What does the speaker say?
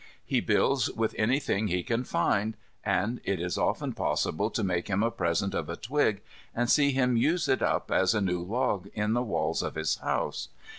He builds with anything he can find, and it is often possible to make him a present of a twig, and see him use it up as a new log in the walls of his house.